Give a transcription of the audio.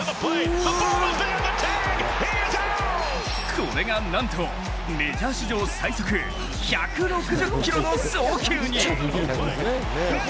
これがなんとメジャー史上最速１６０キロの送球に。